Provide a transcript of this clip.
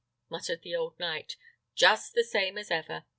muttered the old knight; "just the same as ever!